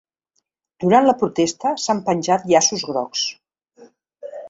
Durant la protesta s’han penjat llaços grocs.